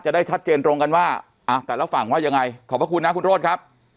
ได้ชัดเจนตรงกันว่าแต่ละฝั่งว่ายังไงขอบพระคุณนะคุณโรธครับ